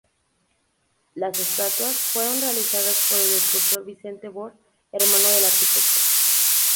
Las estatuas fueron realizadas por el escultor Vicente Bort, hermano del arquitecto.